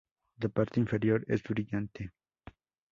La parte inferior es brillante.